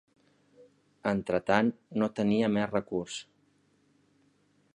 Entretant no tenia més recurs